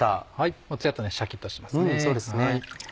もうツヤっとシャキっとしてますね。